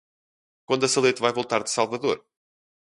Quando a Salete vai voltar de Salvador?